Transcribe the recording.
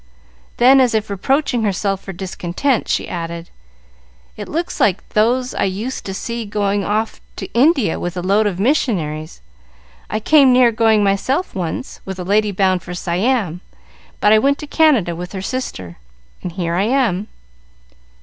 Then, as if reproaching herself for discontent, she added: "It looks like those I used to see going off to India with a load of missionaries. I came near going myself once, with a lady bound for Siam; but I went to Canada with her sister, and here I am."